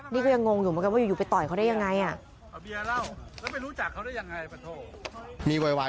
ดิก็ยังงงอยู่ว่าอยู่ไปต่อยเขาได้ยังไงอะ